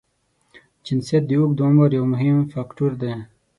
جنسیت د اوږد عمر یو مهم فاکټور دی.